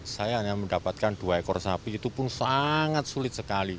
saya hanya mendapatkan dua ekor sapi itu pun sangat sulit sekali